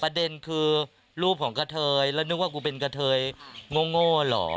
ประเด็นคือรูปของกะเทยแล้วนึกว่ากูเป็นกะเทยโง่เหรอ